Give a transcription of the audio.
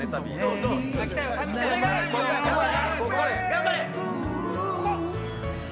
頑張れ！